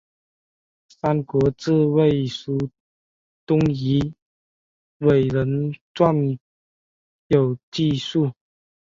三国志魏书东夷倭人传有记述。